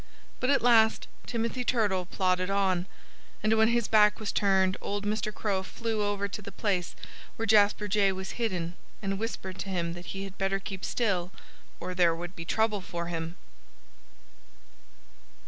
But at last Timothy Turtle plodded on. And when his back was turned old Mr. Crow flew over to the place where Jasper Jay was hidden and whispered to him that he had better keep still or there would be trouble for him.